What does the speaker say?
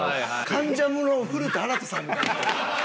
『関ジャム』の古田新太さんみたい。